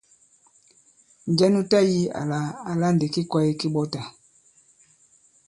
Njɛ nu tayī àlà àla ndì ki kwāye ki ɓɔtà?